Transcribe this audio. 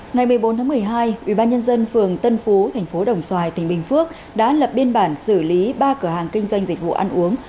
ngày một mươi bốn tháng một mươi hai ubnd phường tân phú tp đồng xoài tỉnh bình phước đã lập biên bản xử lý ba cửa hàng kinh doanh dịch vụ ăn uống